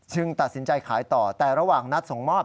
ตัดสินใจขายต่อแต่ระหว่างนัดส่งมอบ